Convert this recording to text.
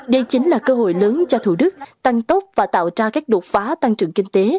đây chính là cơ hội lớn cho thủ đức tăng tốc và tạo ra các đột phá tăng trưởng kinh tế